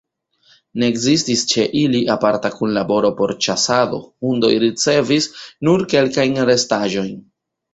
Ne ekzistis ĉe ili aparta kunlaboro por ĉasado, hundoj ricevis nur kelkajn restaĵojn.